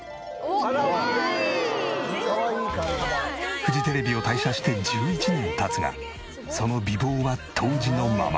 フジテレビを退社して１１年経つがその美貌は当時のまま。